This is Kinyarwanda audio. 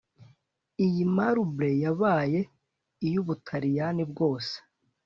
iyi marble yabaye iy'ubutaliyani bwose